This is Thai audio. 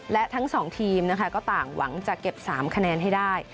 และทั้ง๒ทีมนะคะก็ต่างหวังจะเก็บ๓คะแนนให้ได้